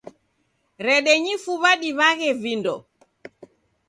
Redenyi fuw'a diw'aghe vindo.